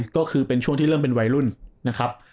ก็คือเป็นช่วงที่เริ่มเป็นวัยรุ่นนะครับ